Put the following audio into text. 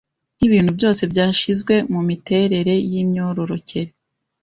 nkibintu byose byashizwe mumiterere yimyororokere